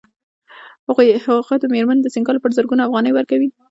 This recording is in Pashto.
هغه د مېرمنې د سینګار لپاره زرګونه افغانۍ ورکوي